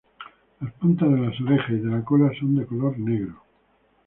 Las puntas de las orejas y de la cola son de color negro.